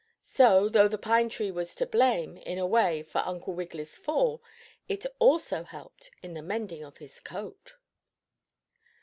So, though the pine tree was to blame, in a way, for Uncle Wiggily's fall, it also helped in the mending of his coat.